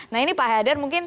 nah ini pak haider mungkin